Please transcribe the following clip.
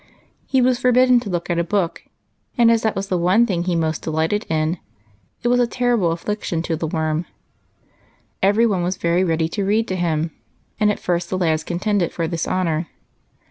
He was forbidden to look at a book, and as that was the one thing he most delighted in, it was a terrible affliction to the Worm. Every one was very ready to read to him, and at first the lads contended for this honor.